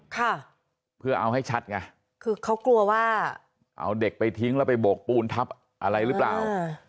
ค่ะเพื่อเอาให้ชัดไงคือเขากลัวว่าเอาเด็กไปทิ้งแล้วไปโบกปูนทับอะไรหรือเปล่าอ่า